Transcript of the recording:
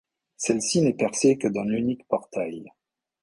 Celle-ci n'est percée que d'un unique portail.